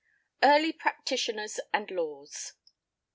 EARLY PRACTITIONERS AND LAWS.